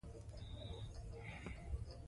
د دښتو لپاره دپرمختیا پروګرامونه شته.